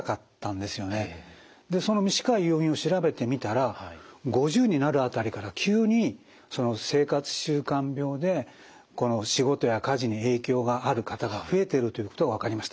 で短い要因を調べてみたら５０になる辺りから急に生活習慣病で仕事や家事に影響がある方が増えてるということが分かりました。